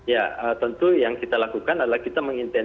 ya tentu yang kita lakukan adalah kita mengintensif